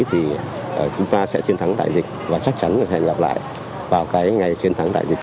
thì chúng ta sẽ chiến thắng đại dịch và chắc chắn hẹn gặp lại vào cái ngày chiến thắng đại dịch